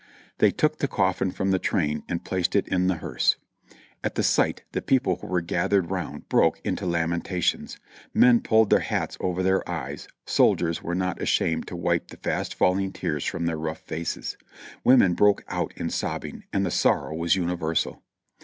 They took the coffin from the train and placed it in the hearse. At the sight the people who were gathered round broke into lamentations; men pulled their hats over their eyes; soldiers were not ashamed to wipe the fast falling tears from their rough faces ; women broke out in sobbing and the sorrow was universal.